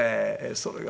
それが。